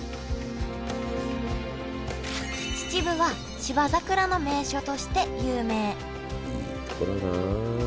秩父は芝桜の名所として有名いい所だなあ。